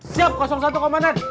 siap satu komandan